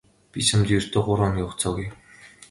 Би чамд ердөө гурав хоногийн хугацаа өгье.